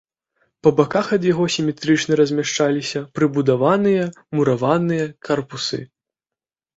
Па баках ад яго, сіметрычна размяшчаліся прыбудаваныя мураваныя карпусы.